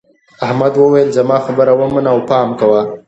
احمد وویل زما خبره ومنه او پام کوه.